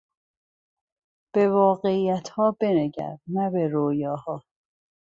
به واقعیتها بنگر نه به رویاها.